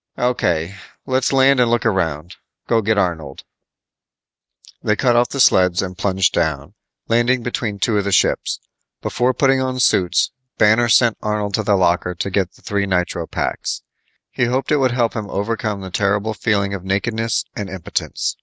"O.K., let's land and look around. Go get Arnold." They cut off the sleds and plunged down, landing between two of the ships. Before putting on suits, Banner sent Arnold to the locker to get the three nitro paks. He hoped it would help him overcome the terrible feeling of nakedness and impotence.